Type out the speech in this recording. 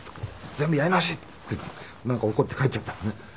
「全部やり直し」って言ってなんか怒って帰っちゃったのね。